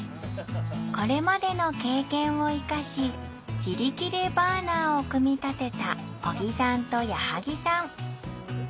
これまでの経験を生かし自力でバーナーを組み立てた小木さんと矢作さん